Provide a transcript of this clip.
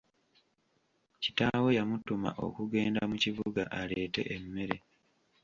Kitaawe yamutuma okugenda mu kibuga aleete emmere.